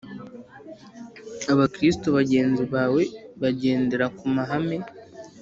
Abakristo bagenzi bawe bagendera ku mahame .